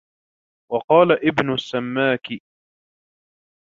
وَقَالَ ابْنُ السَّمَّاكِ